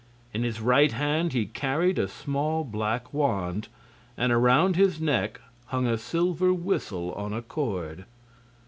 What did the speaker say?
In his right hand he carried a small black wand, and around his neck hung a silver whistle on a silver cord.